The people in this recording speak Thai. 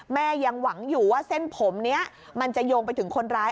ยังหวังอยู่ว่าเส้นผมนี้มันจะโยงไปถึงคนร้าย